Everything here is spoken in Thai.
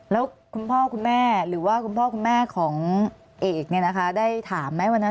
แล้วคุณพ่อคุณแม่หรือว่าคุณพ่อคุณแม่ของเอกเนี่ยนะคะได้ถามไหมวันนั้น